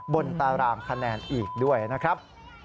ตารางคะแนนอีกด้วยนะครับ